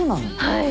はい。